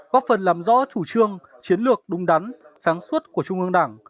góp phần làm rõ chủ trương chiến lược đúng đắn sáng suốt của trung ương đảng